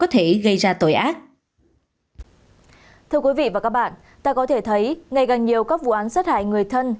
thưa quý vị và các bạn ta có thể thấy ngày càng nhiều các vụ án sát hại người thân